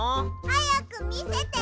はやくみせて。